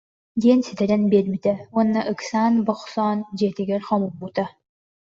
диэн ситэрэн биэрбитэ уонна ыксаан-бохсоон дьиэтигэр хомуммута